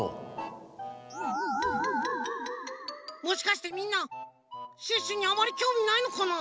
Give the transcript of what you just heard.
もしかしてみんなシュッシュにあまりきょうみないのかな？